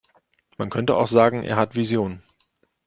Man könnte auch sagen, er hat Visionen.